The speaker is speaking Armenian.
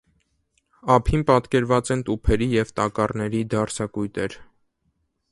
Ափին պատկերված են տուփերի և տակառների դարսակույտեր։